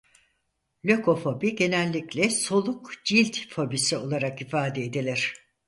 Lökofobi genellikle soluk cilt fobisi olarak ifade edilir.